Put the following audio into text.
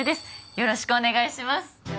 よろしくお願いします